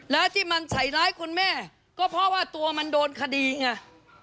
แล้วที่มันใส่ร้ายคุณแม่ก็เพราะว่าตัวมันโดนคดีไง